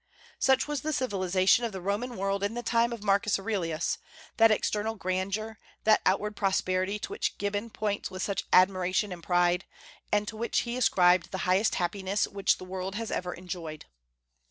Such was the civilization of the Roman world in the time of Marcus Aurelius, that external grandeur, that outward prosperity, to which Gibbon points with such admiration and pride, and to which he ascribed the highest happiness which the world has ever enjoyed.